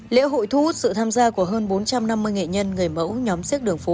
lễ hội thu hút sự tham gia của hơn bốn trăm năm mươi nghệ nhân người mẫu nhóm xếp đường phố